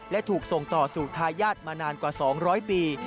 และถูกส่งต่อสู่ทายาทมานานกว่า๒๐๐ปี